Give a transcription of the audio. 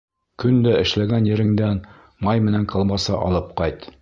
Көн дә эшләгән ереңдән май менән колбаса алып ҡайт.